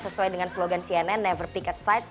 sesuai dengan slogan cnn never pick a side